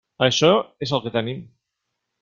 Això és el que tenim.